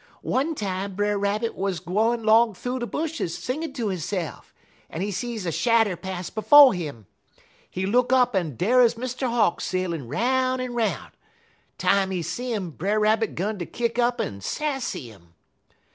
One time Brer Rabbit wuz gwine 'long thoo de bushes singin' ter hisse'f, en he see a shadder pass befo' 'im. He look up, en dar 'uz Mr. Hawk sailin' 'roun' en 'roun'. Time he see 'im, Brer Rabbit 'gun ter kick up en sassy 'im.